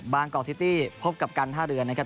กอกซิตี้พบกับการท่าเรือนะครับ